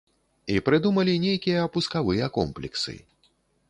І прыдумалі нейкія пускавыя комплексы.